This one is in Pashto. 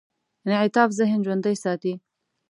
انعطاف ذهن ژوندي ساتي.